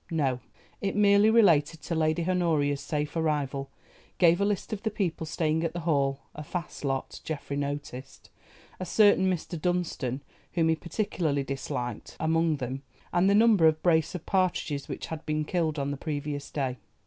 No, it merely related to Lady Honoria's safe arrival, gave a list of the people staying at the Hall—a fast lot, Geoffrey noticed, a certain Mr. Dunstan, whom he particularly disliked, among them—and the number of brace of partridges which had been killed on the previous day.